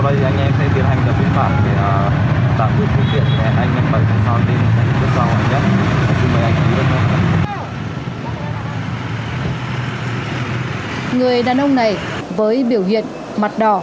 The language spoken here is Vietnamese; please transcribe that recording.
và không ít người đã vượt mức cho phép